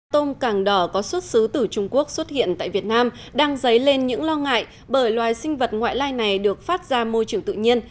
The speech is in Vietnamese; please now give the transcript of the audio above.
tôm càng đỏ có xuất xứ từ trung quốc xuất hiện tại việt nam đang dấy lên những lo ngại bởi loài sinh vật ngoại lai này được phát ra môi trường tự nhiên